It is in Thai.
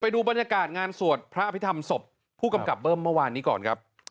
ดูบรรยากาศงานสวดพระอภิษฐรรมศพผู้กำกับเบิ้มเมื่อวานนี้ก่อนครับ